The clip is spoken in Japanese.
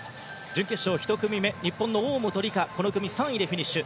準決勝１組目、日本の大本里佳この組３位でフィニッシュ。